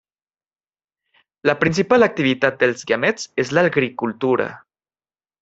La principal activitat dels Guiamets és l'agricultura.